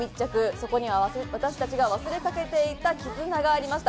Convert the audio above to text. そこには私たちが忘れかけていた絆がありました。